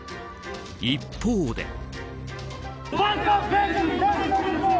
一方で。